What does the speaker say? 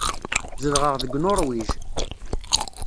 Zedɣeɣ deg Nuṛwij.